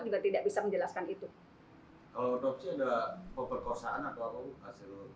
juga tidak bisa menjelaskan itu kalau dokter adalah kemerkosaan atau apa